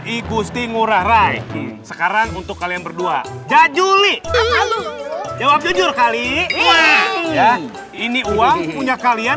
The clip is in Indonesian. igusti ngurah rai sekarang untuk kalian berdua jajuli halo jawab jujur kali ya ini uang punya kalian